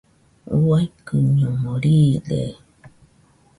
Uaikɨñomo riide.